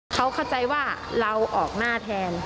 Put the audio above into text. เขาเข้าใจว่าเราออกหน้าแทน